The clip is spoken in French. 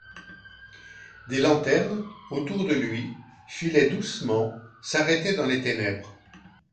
Des lanternes, autour de lui, filaient doucement, s’arrêtaient dans les ténèbres.